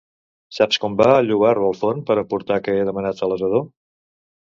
Saps com va el llobarro al forn per emportar que he demanat a l'Asador?